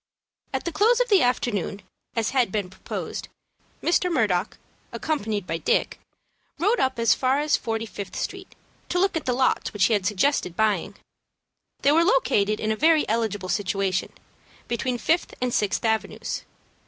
At the close of the afternoon, as had been proposed, Mr. Murdock, accompanied by Dick, rode up as far as Forty Fifth Street, to look at the lots which he had suggested buying. They were located in a very eligible situation, between Fifth and Sixth Avenues.